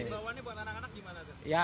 kebawahannya buat anak anak gimana